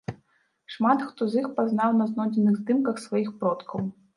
Шмат хто з іх пазнаў на знойдзеных здымках сваіх продкаў.